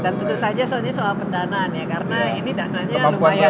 dan tentu saja soalnya soal pendanaan ya karena ini dananya lumayan